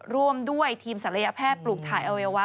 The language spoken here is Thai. ร่วมด้วยทีมศัลยแพทย์ปลูกถ่ายอวัยวะ